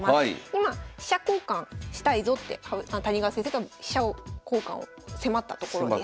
今飛車交換したいぞって谷川先生が飛車交換を迫ったところです。